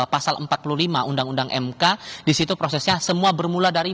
pasal empat puluh lima undang undang mk disitu prosesnya semua bermula dari